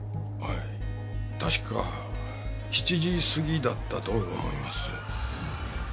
はい確か７時過ぎだったと思います。